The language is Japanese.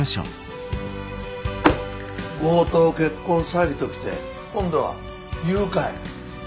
強盗結婚詐欺ときて今度は誘拐。